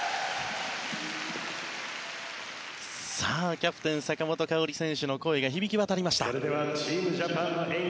キャプテン坂本花織選手の声が響き渡りました。